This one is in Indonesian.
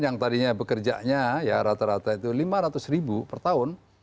yang tadinya bekerjanya ya rata rata itu lima ratus ribu per tahun